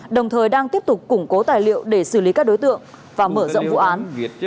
đồng thời đang tiếp tục củng cố tài liệu để xử lý các đối tượng và mở rộng vụ án